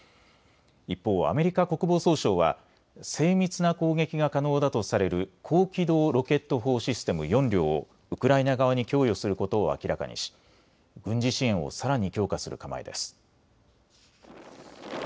一方、アメリカ国防総省は精密な攻撃が可能だとされる高機動ロケット砲システム４両をウクライナ側に供与することを明らかにし軍事支援をさらに強化する構えです。